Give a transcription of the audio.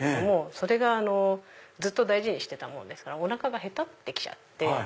それがずっと大事にしてたからおなかがへたって来ちゃって。